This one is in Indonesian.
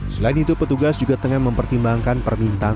selain itu petugas juga tengah mempertimbangkan permintaan